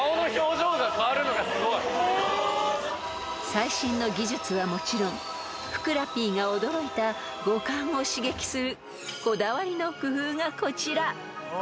［最新の技術はもちろんふくらＰが驚いた五感を刺激するこだわりの工夫がこちら］